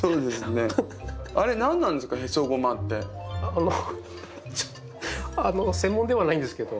あのあの専門ではないんですけど。